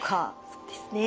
そうですね。